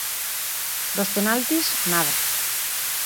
Dos penaltis, nada.